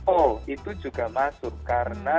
oh itu juga masuk karena